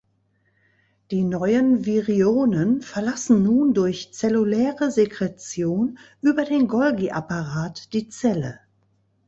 Die neuen Virionen verlassen nun durch zelluläre Sekretion über den Golgi-Apparat die Zelle.